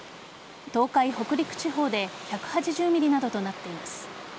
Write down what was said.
東海・北陸地方で１８０ｍｍなどとなっています。